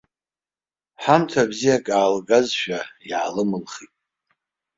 Ҳамҭа бзиаӡак аалгазшәа иаалымылхит.